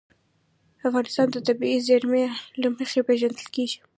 افغانستان د طبیعي زیرمې له مخې پېژندل کېږي.